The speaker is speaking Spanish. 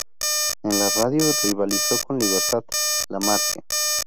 En la radio rivalizó con Libertad Lamarque.